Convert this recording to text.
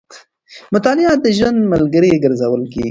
مطالعه د ژوند ملګری ګرځول کېږي.